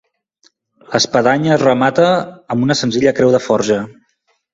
L'espadanya es remata amb una senzilla creu de forja.